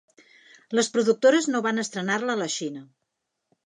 Les productores no van estrenar-la a la Xina.